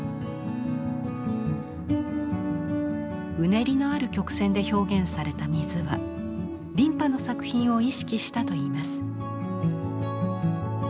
うねりのある曲線で表現された水は琳派の作品を意識したといいます。